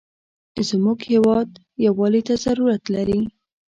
زموږ هېواد یوالي ته ضرورت لري.